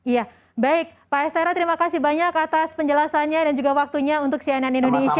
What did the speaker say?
ya baik pak estera terima kasih banyak atas penjelasannya dan juga waktunya untuk cnn indonesia